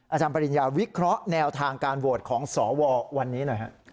อาจารย์ปริญญาวิเคราะห์แนวทางการโหวตของสววันนี้หน่อยฮะ